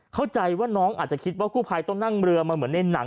เข้าใจว่าน้องอาจจะคิดว่ากู้ภัยต้องนั่งเรือมาเหมือนในหนัง